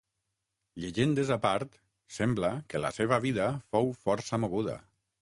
Llegendes a part, sembla que la seva vida fou força moguda.